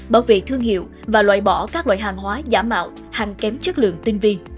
bảo vệ thương hiệu và loại bỏ các loại hàng hóa giả mạo hàng kém chất lượng tinh vi